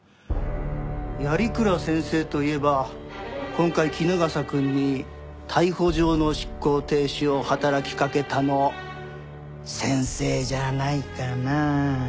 鑓鞍先生といえば今回衣笠くんに逮捕状の執行停止を働きかけたの先生じゃないかな？